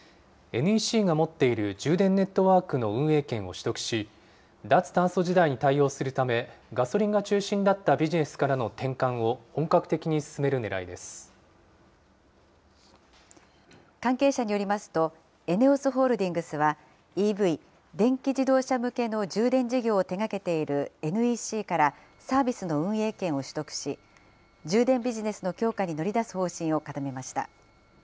ＮＥＣが持っている充電ネットワークの運営権を取得し、脱炭素時代に対応するため、ガソリンが中心だったビジネスからの転換関係者によりますと、ＥＮＥＯＳホールディングスは、ＥＶ・電気自動車向けの充電事業を手がけているＮＥＣからサービスの運営権を取得し、充電ビジネスの強化に乗り出す方針を固めました。